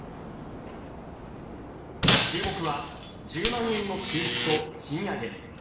注目は、１０万円の給付と賃上げ。